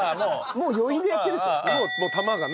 もう余韻でやってるでしょ。